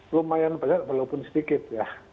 lumayan banyak walaupun sedikit ya